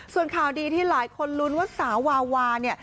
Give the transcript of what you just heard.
ส่วนข่าวดีที่หลายคนลุ้นว่าสาววาวาเนี่ย